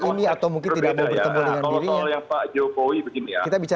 ini atau mungkin tidak mau bertemu dengan dirinya